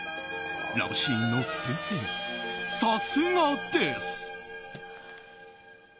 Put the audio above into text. ラブシーンの先生、さすがです。